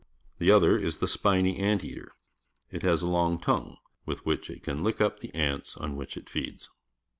The other is the spiny ant eater. It has a long tongue, with which it can lick up the ants on wliich it feeds.